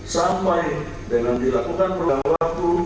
sampai dengan dilakukan berlaku laku